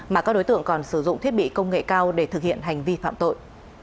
mà các đối tượng còn sử dụng thiết bị công nghệ cao để thực hiện hành vi phạm tội